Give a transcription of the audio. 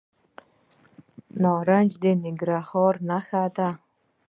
نارنج د ننګرهار نښه ده.